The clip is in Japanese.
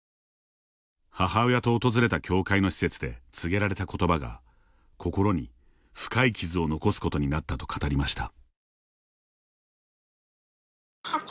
母親と訪れた教会の施設で告げられたことばが心に深い傷を残すことになったと語りました。